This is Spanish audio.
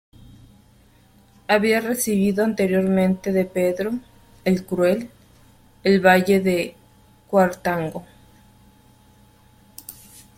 Había recibido anteriormente de Pedro "el Cruel", el valle de Cuartango.